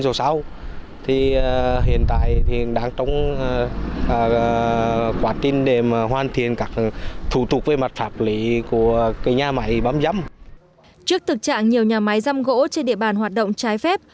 hội đồng nhân dân tỉnh quảng trị phát triển nóng với nhiều nhà máy răm gỗ trên địa bàn hoạt động trái phép